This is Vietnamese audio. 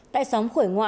tại xóm khổi ngoan